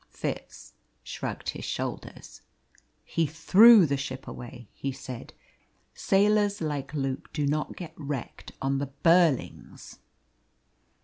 Fitz shrugged his shoulders. "He threw the ship away," he said. "Sailors like Luke do not get wrecked on the Burlings."